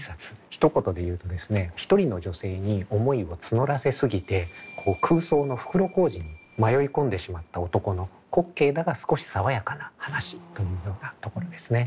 ひと言で言うとですね一人の女性に思いを募らせ過ぎて空想の袋小路に迷い込んでしまった男の滑稽だが少し爽やかな話というようなところですね。